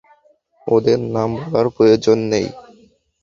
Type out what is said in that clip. ওদের নাম বলার প্রয়োজন নেই।